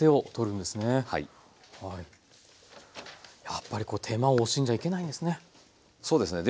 やっぱり手間を惜しんじゃいけないんですね。